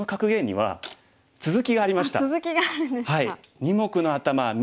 はい。